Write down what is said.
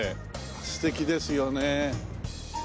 素敵ですよね。